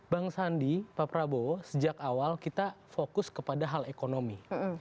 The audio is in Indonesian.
bang sandi pak prabowo sejak awal kita fokus kepada hal ekonomi